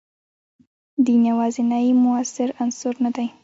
دین یوازینی موثر عنصر نه دی.